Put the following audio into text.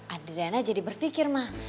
adriana jadi berpikir ma